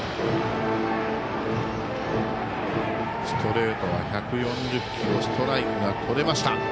ストレートは１４０キロストライクがとれました。